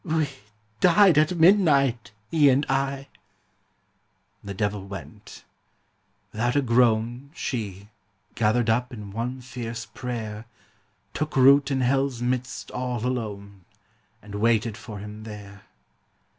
'We died at midnight, he and I.' The devil went. Without a groan She, gathered up in one fierce prayer, Took root in hell's midst all alone, And waited for him there.